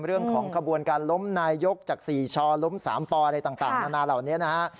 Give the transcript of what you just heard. เรื่องของขบวนการล้มนายยกจาก๔ชอล้ม๓ปอะไรต่างนานาเหล่านี้นะฮะ